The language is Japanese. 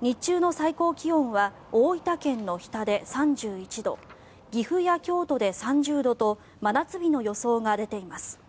日中の最高気温は大分県の日田で３１度岐阜や京都で３０度と真夏日の予想が出ています。